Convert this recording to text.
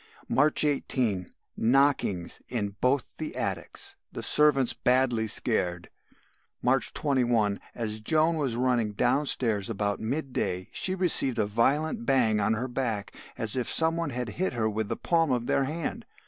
"March 18. Knockings in both the attics. The servants badly scared. "March 21. As Joan was running downstairs about mid day, she received a violent bang on her back as if some one had hit her with the palm of their hand.